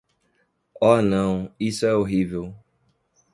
Oh não, isso é horrível!